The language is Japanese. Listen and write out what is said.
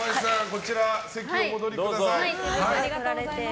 こちら席にお戻りください。